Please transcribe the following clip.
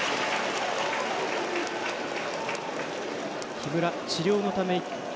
木村、治療のため。